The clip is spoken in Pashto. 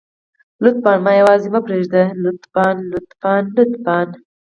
لطفاً ما يوازې پرېږدئ لطفاً لطفاً لطفاً.